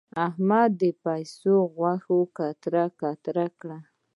احمد د پسه غوښه قطره قطره کړه.